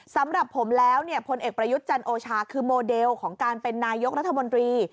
สำหรับผมแล้วเนี่ยพลเอกประยุทธ์จันโอชาคือโมเดลของการเป็นนายกรัฐมนตรี